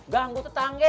ganggu tuh tangge